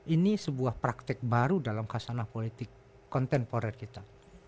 ini sebuah praktek baru dalam kasanah politik kontemporer kita